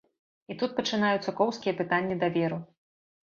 І тут пачынаюцца коўзкія пытанні даверу.